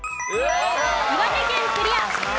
岩手県クリア。